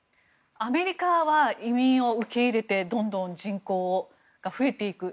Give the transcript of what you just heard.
アメリカは移民を受け入れてどんどん人口が増えていく。